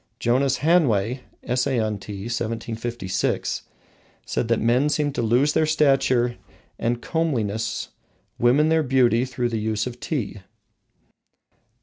Jonas Hanway (Essay on Tea, 1756) said that men seemed to lose their stature and comeliness, women their beauty through the use of tea.